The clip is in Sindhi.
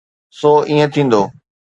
سو ائين ٿيندو.